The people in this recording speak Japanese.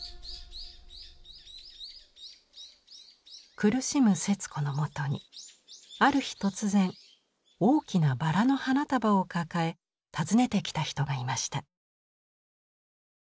苦しむ節子のもとにある日突然大きなバラの花束を抱え訪ねてきた人がいました。